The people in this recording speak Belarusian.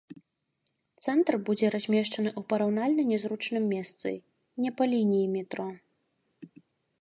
Цэнтр будзе размешчаны ў параўнальна нязручным месцы, не па лініі метро.